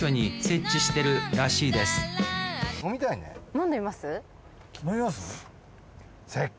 飲んでみます？